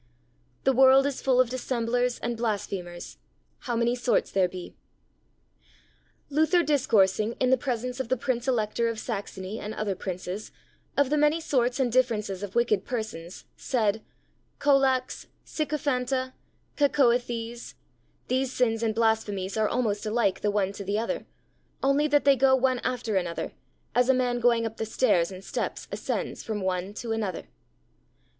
The World is full of Dissemblers and Blasphemers: How many Sorts there be. Luther discoursing, in the presence of the Prince Elector of Saxony and other Princes, of the many sorts and differences of wicked persons, said: Colax, Sycophanta, Cacoëthes; these sins and blasphemies are almost alike the one to the other, only that they go one after another, as a man going up the stairs and steps ascends from one to another.